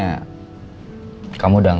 oke kita makan dulu ya